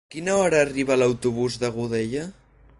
A quina hora arriba l'autobús de Godella?